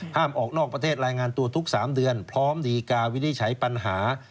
ห้ามออกนอกประเทศรายงานตัวทุกสามเดือนพร้อมดีการวิธีใช้ปัญหา